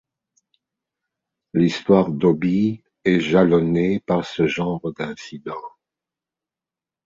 L'histoire d'Obies est jalonnée par ce genre d'incidents.